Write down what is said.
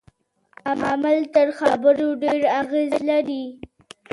عمل تر خبرو ډیر اغیز لري.